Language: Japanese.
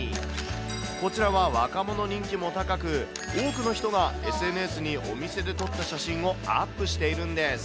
こちらは若者人気も高く、多くの人がＳＮＳにお店で撮った写真をアップしているんです。